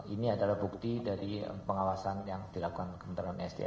ini adalah bukti dari pengawasan yang dilakukan kementerian sdm